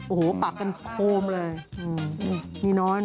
โอ้โหปากกันโคมเลย